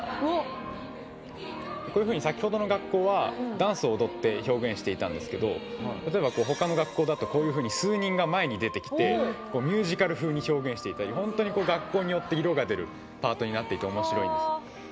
先ほどの学校はダンスを踊って表現していたんですが例えば、他の学校だと数人が前に出てきてミュージカル風に表現したり学校によって色が出るパートになっていておもしろいんです。